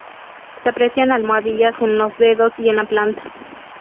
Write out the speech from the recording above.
Se aprecian almohadillas en los dedos y en la planta.